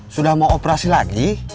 sudah mau operasi lagi